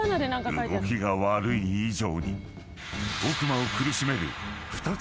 ［動きが悪い以上に奥間を苦しめる］